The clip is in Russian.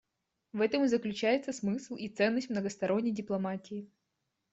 В этом и заключается смысл и ценность многосторонней дипломатии.